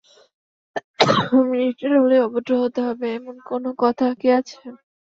Minister হলেই অভদ্র হতে হবে এমন কোনো কথা কি আছে?